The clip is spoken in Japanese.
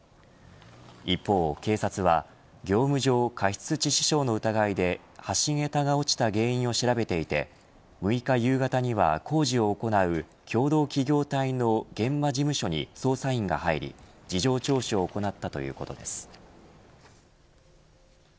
一方警察は業務上過失致死傷の疑いで橋げたが落ちた原因を調べていて６日夕方には工事を行う共同企業体の現場事務所に捜査員が入り事情聴取を行ったということです。